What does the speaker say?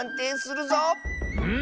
うん。